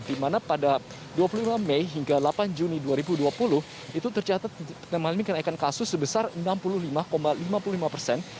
di mana pada dua puluh lima mei hingga delapan juni dua ribu dua puluh itu tercatat mengalami kenaikan kasus sebesar enam puluh lima lima puluh lima persen